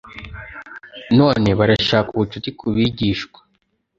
none barashaka ubucuti ku bigishwa